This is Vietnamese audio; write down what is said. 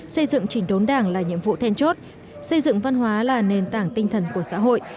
xây dựng chỉnh đốn đảng là nhiệm vụ then chốt xây dựng văn hóa là nền tảng tinh thần của xã hội